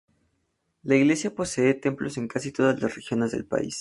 La iglesia posee templos en casi todas las regiones del país.